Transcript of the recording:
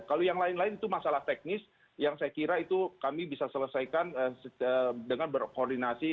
kalau yang lain lain itu masalah teknis yang saya kira itu kami bisa selesaikan dengan berkoordinasi